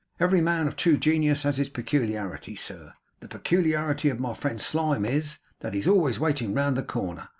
Every man of true genius has his peculiarity. Sir, the peculiarity of my friend Slyme is, that he is always waiting round the corner.